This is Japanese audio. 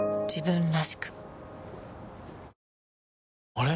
あれ？